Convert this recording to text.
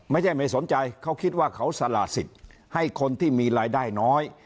ไม่ใช่ไม่สนใจเขาคิดว่าเขาสละสิทธิ์ให้คนที่มีรายได้น้อย